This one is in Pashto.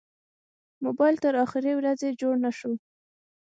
موبایل تر اخرې ورځې جوړ نه شو.